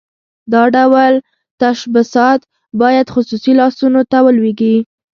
دا ډول تشبثات باید خصوصي لاسونو ته ولویږي.